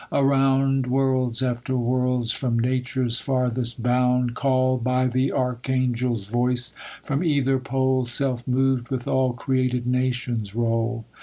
Around, Worlds after worlds, from nature's farthest bound* Call'd by th' archangel's voice from either pole, Self mov'd, with all created nations, roll.